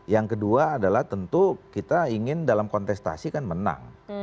yang kedua adalah tentu kita ingin dalam kontestasi kan menang